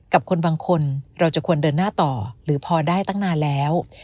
กับคนบางคนเราจะควรเดินหน้าต่อหรือพอได้ตั้งนานแล้ว